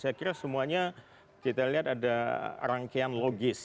saya kira semuanya kita lihat ada rangkaian logis